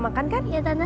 makasih ya tante